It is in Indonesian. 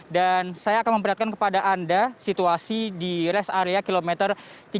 dan saya akan memperhatikan kepada anda situasi di rest area kilometer tiga puluh tiga